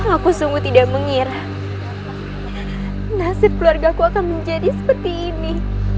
aku sungguh tidak mengira nasib keluargaku akan menjadi seperti ini